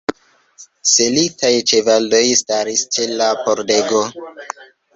Selitaj ĉevaloj staris ĉe la pordego.